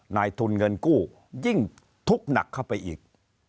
นายทุนเงินกู้ยิ่งทุกข์หนักเข้าไปอีก